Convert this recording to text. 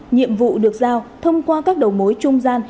nhiệm vụ được giao thông qua các đầu mối trung gian